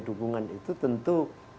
dukungan itu tentu